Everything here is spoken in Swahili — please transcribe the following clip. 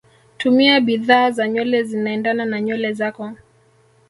tumia bidhaa za nywele zinaendana na nywele zako